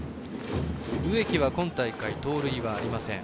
植木は、今大会盗塁ありません。